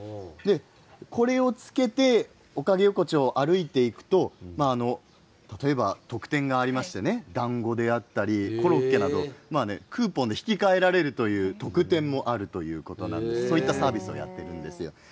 これをつけておかげ横丁を歩いていくと例えば、特典がありましてだんごであったり、コロッケなどクーポンで引き換えられるという特典もあるということなのでそういうサービスもやっているんです。